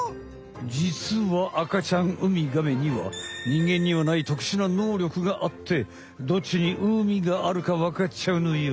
じつは赤ちゃんウミガメには人間にはない特殊な能力があってどっちに海があるかわかっちゃうのよ。